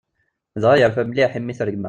Dɣa, yerfa mliḥ imi i t-regmeɣ.